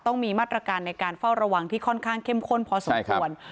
ต้องมีมาตรการในการเฝ้าระวังที่ค่อนข้างเข้มข้นพอสมควร